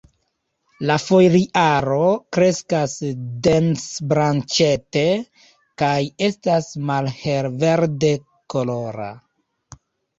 La foliaro kreskas dens-branĉete, kaj estas malhel-verde kolora.